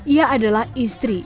ia adalah istri